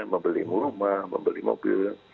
membeli rumah membeli mobil